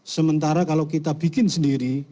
sementara kalau kita bikin sendiri